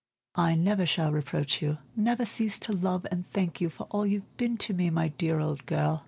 "I never shall reproach you, never cease to love and thank you for all you've been to me, my dear old girl.